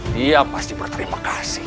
dia pasti berterima kasih